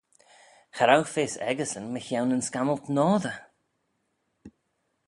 Cha row fys echeysyn mychione yn scammylt noadyr.